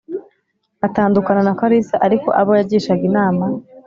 atandukana na Karisa ariko abo yagishaga inama